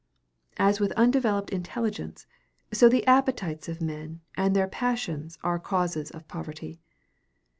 As with undeveloped intelligence, so the appetites of men and their passions are causes of poverty.